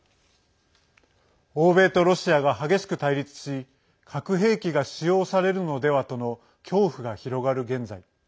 欧米とロシアが激しく対立し核兵器が使用されるのではとの恐怖が広がる現在。